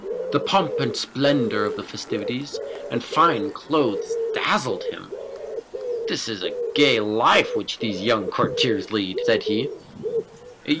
The pomp and splendour, the festivities and fine clothes dazzled him. "This is a gay life which these young courtiers lead," said he.